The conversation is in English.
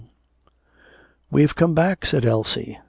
'We've come back,' said Elsie.